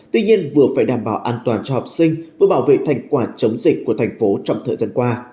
tuy nhiên vừa phải đảm bảo an toàn cho học sinh vừa bảo vệ thành quả chống dịch của thành phố trong thời gian qua